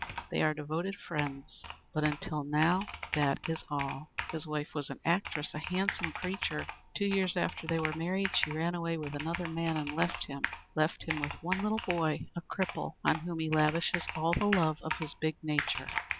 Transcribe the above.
They are devoted friends but until now that is all. His wife was an actress a handsome creature. Two years after they were married she ran away with another man and left him. Left him with one little boy, a cripple, on whom he lavishes all the love of his big nature."